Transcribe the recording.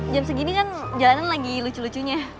jam segini kan jalanan lagi lucu lucunya